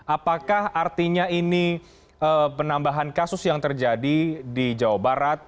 apakah artinya ini penambahan kasus yang terjadi di jawa barat